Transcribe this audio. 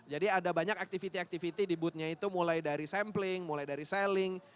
jadi ada banyak activity activity di booth nya itu mulai dari sampling mulai dari selling